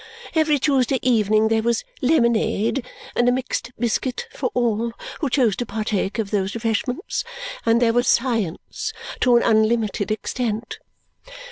Every Tuesday evening there was lemonade and a mixed biscuit for all who chose to partake of those refreshments. And there was science to an unlimited extent."